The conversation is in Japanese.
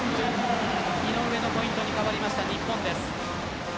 井上のポイントに変わりました日本です。